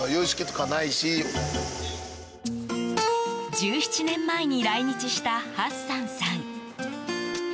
１７年前に来日したハッサンさん。